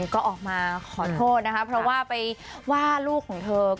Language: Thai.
ก็ออกมาขอโทษนะคะเพราะว่าไปว่าลูกของเธอ